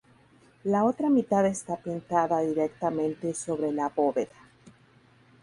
La otra mitad está pintada directamente sobre la bóveda.